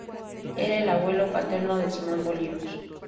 Era el abuelo paterno de Simón Bolívar.